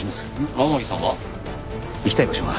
天樹さんは？行きたい場所が。